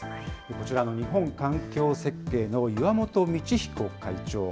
こちらの日本環境設計の岩元美智彦会長。